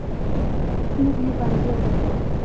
موږ یو بندیان